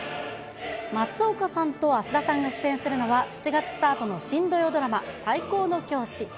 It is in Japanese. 松岡さんと芦田さんが出演するのは、７月スタートの新土曜ドラマ、最高の教師。